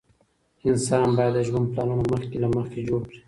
انسان باید د ژوند پلانونه مخکې له مخکې جوړ کړي.